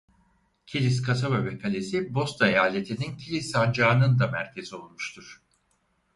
Kilis kasaba ve kalesi Bosna Eyaleti'nin Kilis Sancağı'nın da merkezi olmuştur.